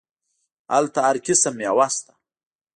هلته هر قسم ميوه سته.